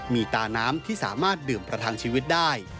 มีตาน้ำที่สามารถดื่มประทังชีวิตได้